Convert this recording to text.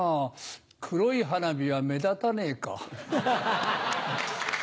黒い花火は目立たねえか。